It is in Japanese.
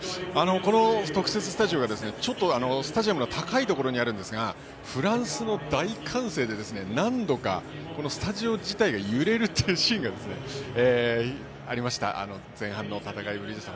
この特設スタジオはちょっとスタジアムの高いところにあるんですがフランスの大歓声で何度か、スタジオ自体が揺れるというシーンがあった前半の戦いぶりでした。